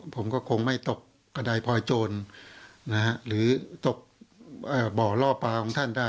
ผมก็คงไม่ตกกระดายพลอยโจรหรือตกบ่อล่อปลาของท่านได้